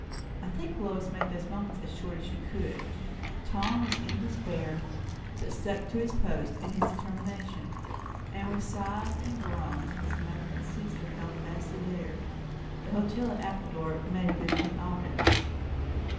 I think Lois made these moments as short as she could. Tom was in despair, but stuck to his post and his determination; and with sighs and groans his mother and sister held fast to theirs. The hotel at Appledore made a good thing of it.